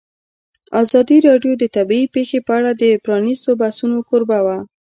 ازادي راډیو د طبیعي پېښې په اړه د پرانیستو بحثونو کوربه وه.